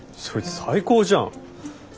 そいつ最高じゃん。